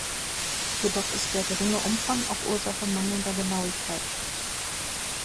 Jedoch ist der geringe Umfang auch Ursache mangelnder Genauigkeit.